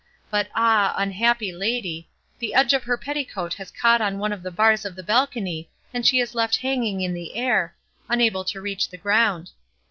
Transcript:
But ah! unhappy lady, the edge of her petticoat has caught on one of the bars of the balcony and she is left hanging in the air, unable to reach the ground.